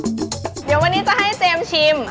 เดี๋ยววันนี้จะให้เจมส์ชิม